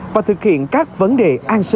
và thực hiện các vấn đề an sinh xã hội